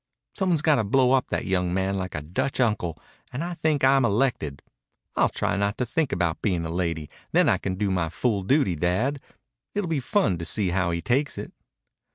"Someone's got to blow up that young man like a Dutch uncle, and I think I'm elected. I'll try not to think about being a lady; then I can do my full duty, Dad. It'll be fun to see how he takes it."